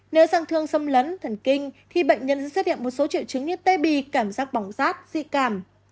nếu ràng thương xâm lấn thần kinh thì bệnh nhân sẽ xét hiện một số triệu chứng như tê bì cảm giác bóng rát dị cảm